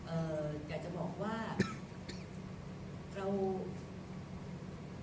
เอ่ออยากจะบอกว่าเรา